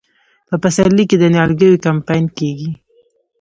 په پسرلي کې د نیالګیو کمپاین کیږي.